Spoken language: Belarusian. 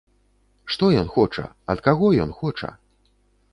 Што ён хоча, ад каго ён хоча?